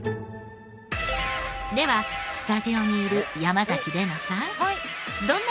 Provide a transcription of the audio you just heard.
ではスタジオにいる山崎怜奈さん。